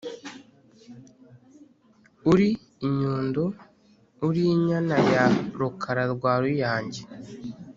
uri inyundo uri inyana ya rukara rwa ruyange,